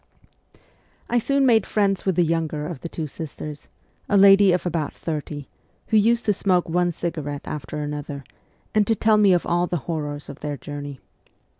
I soon made friends with the younger of the two sisters, a lady of about thirty, who used to smoke one cigarette after another, and to tell me of all the horrors of their journey.